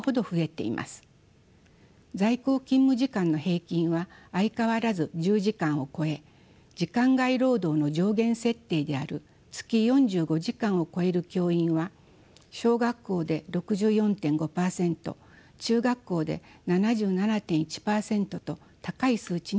在校勤務時間の平均は相変わらず１０時間を超え時間外労働の上限設定である月４５時間を超える教員は小学校で６４．５％中学校で７７．１％と高い数値になっています。